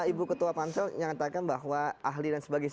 ibu ketua pansel yang mengatakan bahwa ahli dan sebagainya